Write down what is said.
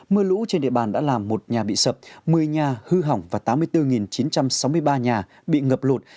mưa lũ trên địa bàn đã làm một nhà bị sập một mươi nhà hư hỏng và tám mươi bốn chín trăm sáu mươi ba nhà bị ngập lụt